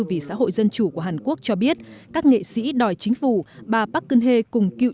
vì xã hội dân chủ của hàn quốc cho biết các nghệ sĩ đòi chính phủ bà park geun hye cùng cựu